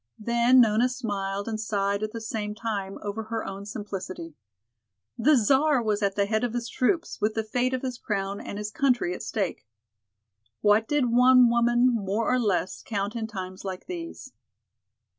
Then Nona smiled and sighed at the same time over her own simplicity. The Czar was at the head of his troops, with the fate of his crown and his country at stake. "What did one woman more or less count in times like these?"